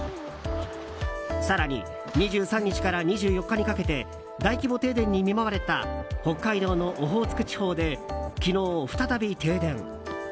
更に、２３日から２４日にかけて大規模停電に見舞われた北海道のオホーツク地方で昨日、再び停電。